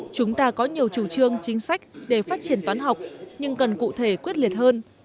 chúng ta có nhiều chủ trương chính sách để phát triển toán học nhưng cần cụ thể quyết liệt hơn